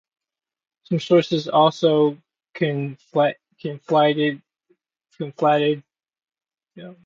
Some sources also conflated the two with one another.